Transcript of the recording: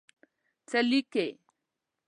څه لیکې.